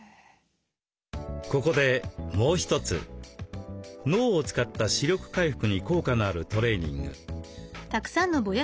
ここでもう一つ脳を使った視力回復に効果のあるトレーニング。